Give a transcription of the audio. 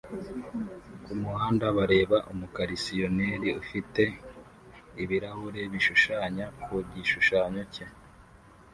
kumuhanda bareba umukarisiyoneri ufite ibirahure bishushanya ku gishushanyo cye